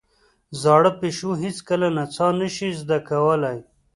زاړه پيشو هېڅکله نڅا نه شي زده کولای.